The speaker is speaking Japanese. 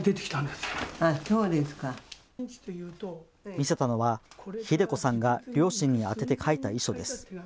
見せたのは秀子さんが両親に宛てて書いた遺書です。